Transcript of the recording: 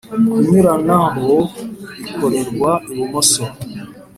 Kunyuranaho bikorerwa ibumoso